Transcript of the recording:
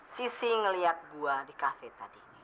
sisi ngeliat gue di kafe tadi